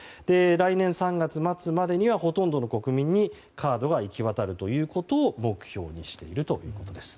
来年３月末までにはほとんどの国民にカードが行き渡るということを目標にしているということです。